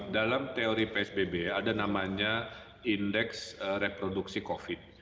dalam teori psbb ada namanya indeks reproduksi covid